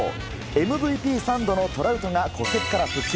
ＭＶＰ３度のトラウトが骨折から復帰。